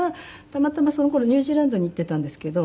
たまたまその頃ニュージーランドに行っていたんですけど。